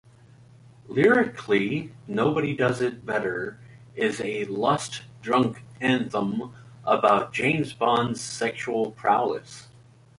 Lyrically, "Nobody Does It Better" is a "lust-drunk anthem" about James Bond's sexual prowess.